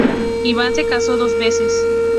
Ivan se casó dos veces.